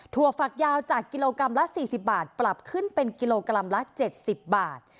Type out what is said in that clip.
ถั่วฝักยาวจากกิโลกรัมละสี่สิบบาทปรับขึ้นเป็นกิโลกรัมละเจ็ดสิบบาท